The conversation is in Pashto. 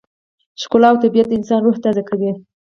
ښکلا او طبیعت د انسان روح تازه کوي.